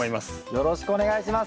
よろしくお願いします。